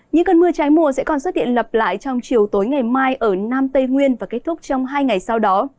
những cơn mưa trái mùa sẽ còn xuất hiện lặp lại trong chiều tối ngày mai ở nam tây nguyên và kết thúc trong hai ngày sau đó